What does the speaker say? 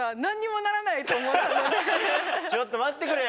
ちょっと待ってくれよ！